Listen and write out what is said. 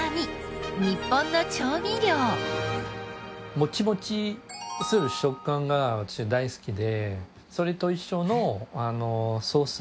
もちもちする食感が大好きでそれと一緒のソース。